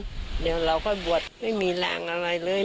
อาจทำอย่างนุ่นก่อนเดี๋ยวเราก็บวชไม่มีแรงเลย